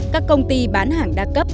các công ty bán hàng đa cấp